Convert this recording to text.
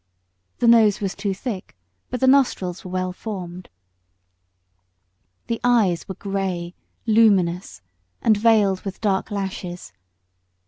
The nose was too thick, but the nostrils were well formed. The eyes were grey, luminous, and veiled with dark lashes.